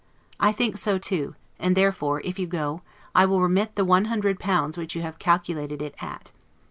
I think so too; and therefore, if you go, I will remit the L100 which you have calculated it at.